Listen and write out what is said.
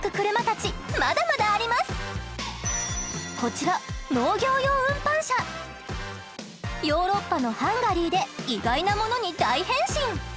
こちらヨーロッパのハンガリーで意外なものに大変身！